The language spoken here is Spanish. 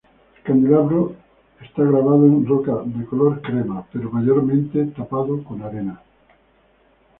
El candelabro es grabado en roca de color crema, pero mayormente tapado con arena.